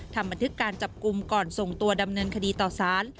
ทำบันทึกการจับกลุ่มก่อนส่งตัวดำเนินคดีต่อสาร